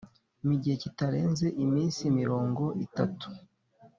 mugihe kitarenze iminsi mirongo itatu